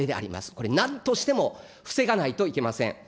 これ、なんとしても防がないといけません。